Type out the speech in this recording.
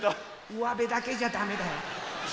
うわべだけじゃだめだよ。